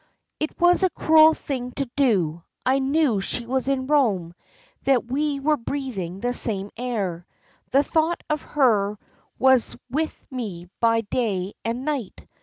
"It was a cruel thing to do. I knew she was in Rome, that we were breathing the same air. The thought of her was with me by day and night.